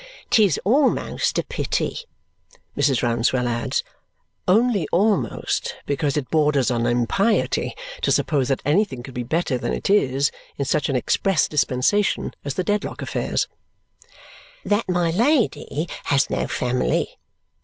"'Tis almost a pity," Mrs. Rouncewell adds only "almost" because it borders on impiety to suppose that anything could be better than it is, in such an express dispensation as the Dedlock affairs "that my Lady has no family.